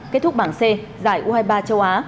kết thúc bảng c giải u hai mươi ba châu á